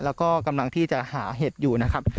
แล้วก็กำลังที่จะหาเห็ดอยู่นะครับ